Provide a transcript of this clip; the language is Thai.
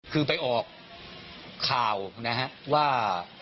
คือไปออกข่าวนะฮะว่า